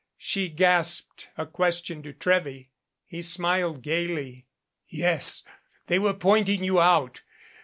She gasped a question to Trewy. He smiled gaily. "Yes they were pointing you out.